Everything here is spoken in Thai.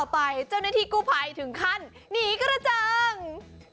ไปเจ้าหน้าที่กู้ภัยถึงขั้นหนีกระเจิง